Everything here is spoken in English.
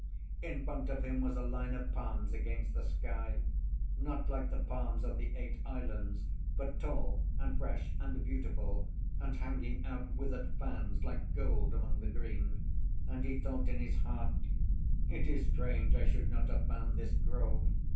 In front of him was a line of palms against the sky; not like the palms of the Eight Islands, but tall and fresh and beautiful, and hanging out withered fans like gold among the green, and he thought in his heart— "It is strange I should not have found this grove.